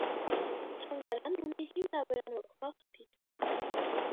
Թանգարանն ունի հիմնավերանորոգման խնդիր։